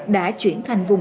đã chuyển thành vùng xanh